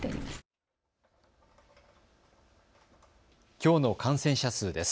きょうの感染者数です。